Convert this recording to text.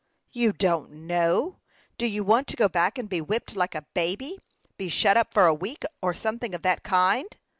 "You don't know! Do you want to go back and be whipped like a baby, be shut up for a week, or something of that kind?"